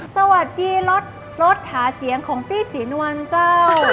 สวัสดีรถรถหาเสียงของพี่ศรีนวลเจ้า